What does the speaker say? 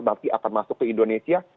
berarti akan masuk ke indonesia